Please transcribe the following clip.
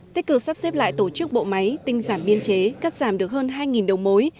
tích cực sắp xếp lại tổ chức bộ máy tinh giảm biên chế cắt giảm được hơn hai đầu mối